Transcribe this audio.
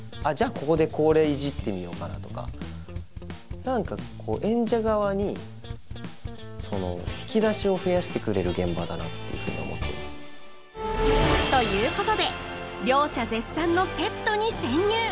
ここでこれいじってみようかなとか演者側に引き出しを増やしてくれる現場だなっていうふうに思ってますということで両者絶賛のセットに潜入